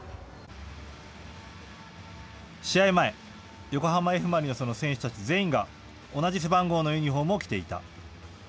試合前、横浜Ｆ・マリノスの選手たち全員が同じ背番号のユニホームを着ていた。